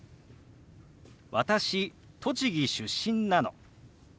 「私栃木出身なの」。